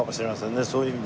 そういう意味では。